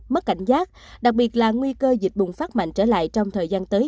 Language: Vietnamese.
mất cảnh giác đặc biệt là nguy cơ dịch bùng phát mạnh trở lại trong thời gian tới